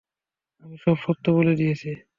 আমি সব সত্য বলে দিয়েছি।